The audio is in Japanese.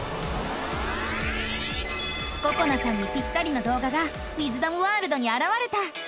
ここなさんにピッタリのどう画がウィズダムワールドにあらわれた！